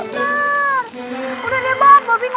udah deh bobi gak usah banyak banyak ikut turnamen ya